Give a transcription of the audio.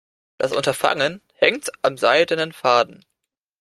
Das Unterfangen hängt am seidenen Faden.